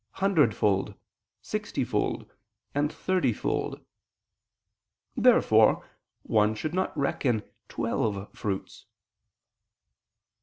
"hundredfold, sixtyfold," and "thirtyfold." Therefore one should not reckon twelve fruits.